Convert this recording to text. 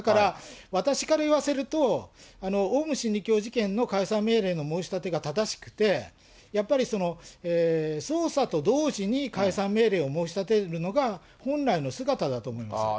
私から言わせると、オウム真理教事件の解散命令の申し立てが正しくて、やっぱり、捜査と同時に解散命令を申し立てるのが、本来の姿だと思うんですよ。